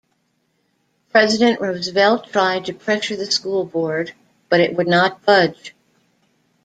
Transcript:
President Roosevelt tried to pressure the School Board, but it would not budge.